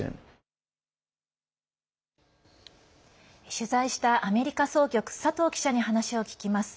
取材したアメリカ総局佐藤記者に話を聞きます。